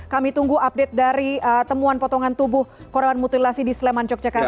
kami tunggu update dari temuan potongan tubuh korban mutilasi di sleman yogyakarta